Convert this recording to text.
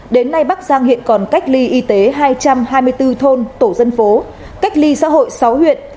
đến nay bắc giang hiện còn cách ly y tế hai trăm hai mươi bốn thôn tổ dân phố cách ly xã hội sáu huyện